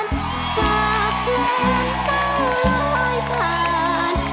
จากเรื่องเกาะลอยผ่าน